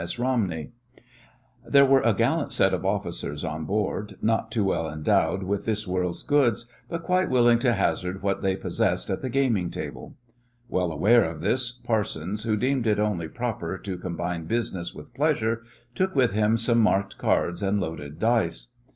S. Romney. There were a gallant set of officers on board, not too well endowed with this world's goods, but quite willing to hazard what they possessed at the gaming table. Well aware of this, Parsons, who deemed it only proper to combine business with pleasure, took with him some marked cards and loaded dice.